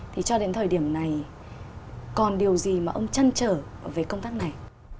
thì cho đến thời điểm này còn điều gì mà ông chăn trở về công tác này